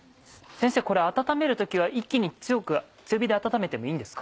先生これ温める時は一気に強く強火で温めてもいいんですか？